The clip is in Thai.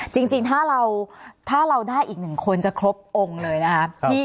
จริงถ้าเราได้อีกหนึ่งคนจะครบองค์เลยนะครับ